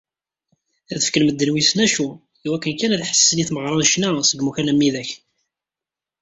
Ad fken medden wissen acu iwakken kan ad d-ḥessen i tmeɣra n ccna seg imukan am widak.